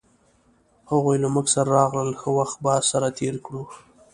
هغوی له مونږ سره راغلل ښه وخت به سره تیر کړو